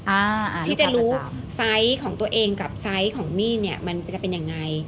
อ่าที่จะรู้ไซส์ของตัวเองกับไซส์ของนี่เนี่ยมันจะเป็นยังไง